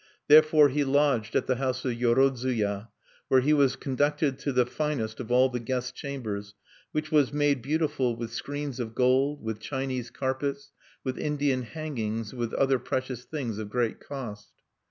Therefore he lodged at the house of Yorodzuya, where he was conducted to the finest of all the guest chambers, which was made beautiful with screens of gold, with Chinese carpets, with Indian hangings, and with other precious things of great cost.